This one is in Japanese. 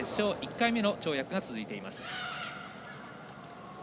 １回目の跳躍が続いています。